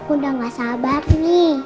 udah gak sabar nih